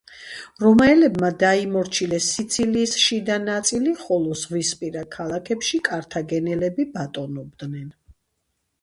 რომაელებმა დაიმორჩილეს სიცილიის შიდა ნაწილი, ხოლო ზღვისპირა ქალაქებში კართაგენელები ბატონობდნენ.